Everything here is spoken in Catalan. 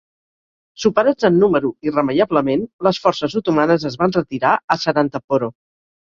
Superats en número irremeiablement, les forces otomanes es van retirar a Sarantaporo.